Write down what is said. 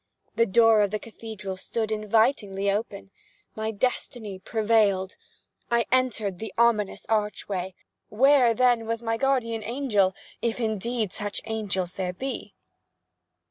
The door of the cathedral stood invitingly open. My destiny prevailed. I entered the ominous archway. Where then was my guardian angel?—if indeed such angels there be.